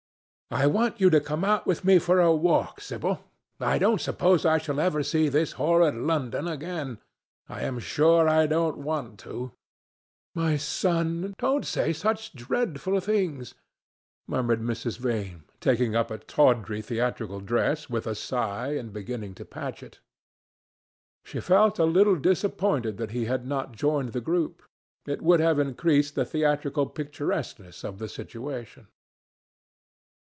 "I want you to come out with me for a walk, Sibyl. I don't suppose I shall ever see this horrid London again. I am sure I don't want to." "My son, don't say such dreadful things," murmured Mrs. Vane, taking up a tawdry theatrical dress, with a sigh, and beginning to patch it. She felt a little disappointed that he had not joined the group. It would have increased the theatrical picturesqueness of the situation.